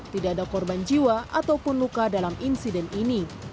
tidak ada korban jiwa ataupun luka dalam insiden ini